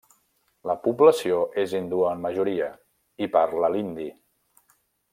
La població és hindú en majoria i parla l'hindi.